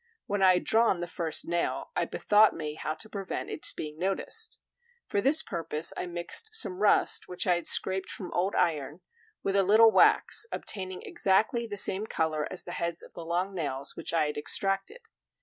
When I had drawn the first nail, I bethought me how to prevent its being noticed. For this purpose I mixed some rust, which I had scraped from old iron, with a little wax, obtaining exactly the same color as the heads of the long nails which I had extracted.